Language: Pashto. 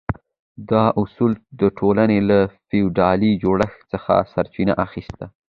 دا اصل د ټولنې له فیوډالي جوړښت څخه سرچینه اخیسته.